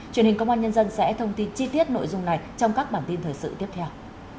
truyền hình công an nhân dân sẽ thông tin chi tiết nội dung này trong các bản tin thời sự tiếp theo